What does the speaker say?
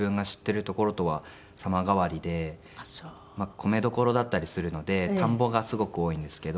米どころだったりするので田んぼがすごく多いんですけど。